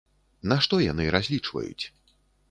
На што яны разлічваюць?